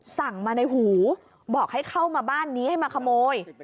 สั่งมาในหูบอกให้เข้ามาบ้านนี้ให้มาขโมย